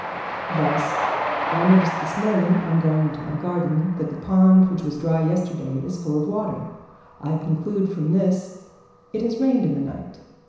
Thus, I notice this morning, on going into my garden, that the pond which was dry yesterday is full of water. I conclude from this, "It has rained in the night."